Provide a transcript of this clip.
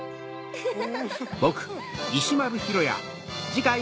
フフフフ。